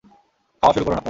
খাওয়া শুরু করুন আপনারা।